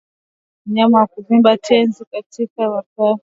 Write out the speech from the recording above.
Mnyama kuvimba tezi katika pembe ya taya ni dalili ya ugonjwa wa mapafu